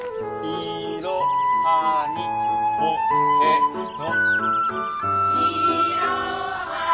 「いろはにほへと」。